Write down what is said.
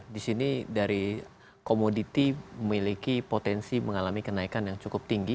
di sini dari komoditi memiliki potensi mengalami kenaikan yang cukup tinggi